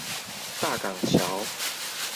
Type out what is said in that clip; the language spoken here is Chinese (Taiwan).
大港橋